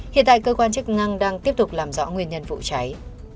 hiện tại cơ quan chức năng đang tiếp tục làm rõ nguyên nhân vụ cháy